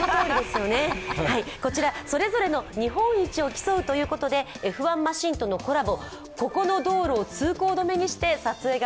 こちら、それぞれの日本一を競うということで、Ｆ１マシンとのコラボ。